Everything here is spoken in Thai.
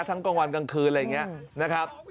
กลางวันกลางคืนอะไรอย่างนี้นะครับ